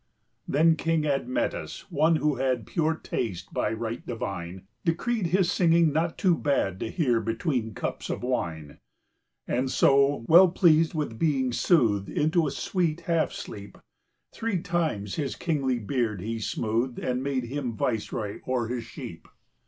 Then King Admetus, one who had Pure taste by right divine, 10 Decreed his singing not too bad To hear between the cups of wine: And so, well pleased with being soothed Into a sweet half sleep, Three times his kingly beard he smoothed, 15 And made him viceroy o'er his sheep.